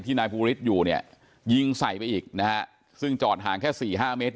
นายภูริสอยู่เนี่ยยิงใส่ไปอีกนะฮะซึ่งจอดห่างแค่สี่ห้าเมตร